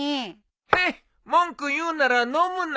ヘッ文句言うなら飲むな！